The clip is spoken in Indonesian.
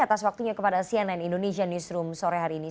atas waktunya kepada cnn indonesia newsroom sore hari ini